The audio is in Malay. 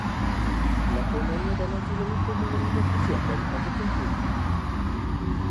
Lakonannya dalam filem itu menerima pujian daripada pengkritik